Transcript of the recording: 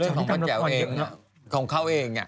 เรื่องของป้าแจ๋วเองของเขาเอง